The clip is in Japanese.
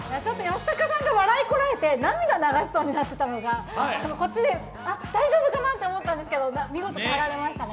吉高さんが笑いこらえて涙流しそうになってたのがこっちで大丈夫かなって思ったんですけど見事耐えられましたね。